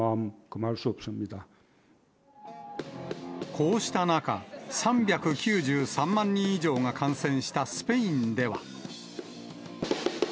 こうした中、３９３万人以上が感染したスペインでは。